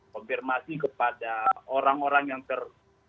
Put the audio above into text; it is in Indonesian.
konfirmasi kepada orang orang yang ter